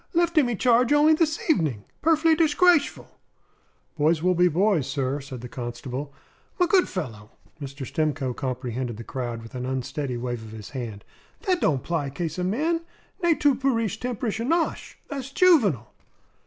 "Left immy charge only this evening, Perf'ly dishgrashful!" "Boys will be boys, sir," said the constable. "M' good fellow " Mr. Stimcoe comprehended the crowd with an unsteady wave of his hand "that don't 'pply 'case of men. Ne tu pu'ri tempsherish annosh; tha's Juvenal."